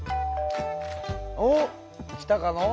おっ来たかの？